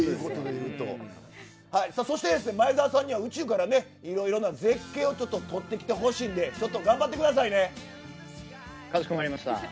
そしてですね、前澤さんには宇宙からね、いろいろな絶景をちょっと撮ってきてほしいんで、ちょっと頑張っかしこまりました。